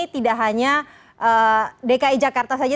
tidak hanya dki jakarta saja